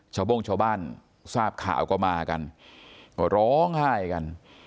โบ้งชาวบ้านทราบข่าวก็มากันก็ร้องไห้กัน